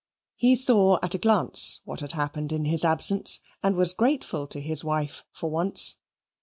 He saw at a glance what had happened in his absence, and was grateful to his wife for once.